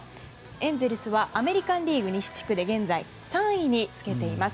エンゼルスはアメリカン・リーグ西地区で現在３位につけています。